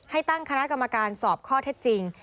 ให้ตั้งคณะกรรมการสอบข้อเท็จจริง